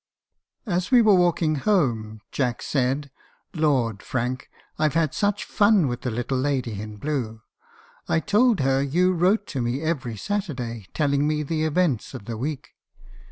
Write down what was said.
"As we were walking home, Jack said, 'Lord, Frank! I've had such fun with the little lady in blue. I told her you wrote to me every Saturday, telling me the events of the week.